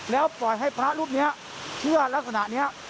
แล้วปล่อยให้พระรูปนี้เชื่อลักษณะนี้